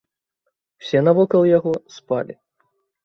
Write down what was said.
Усе навокал яго спалі.